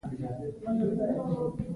پاک سړکونه د ښار ښکلا او د خلکو خوښي زیاتوي.